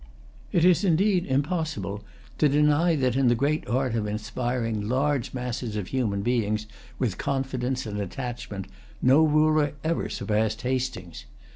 It is indeed impossible to deny that, in the great art of inspiring large masses of human beings with confidence and attachment, no ruler ever surpassed Hastings.